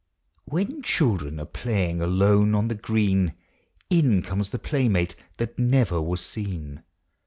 When children arc playing alone on the green, In comes the playmate that never was seen.